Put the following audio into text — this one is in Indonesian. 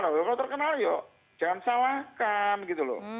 kalau terkenal yuk jangan salahkan gitu loh